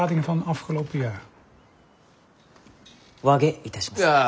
和解いたします。